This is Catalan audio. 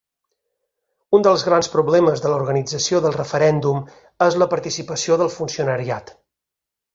Un dels grans problemes de l’organització del referèndum és la participació del funcionariat.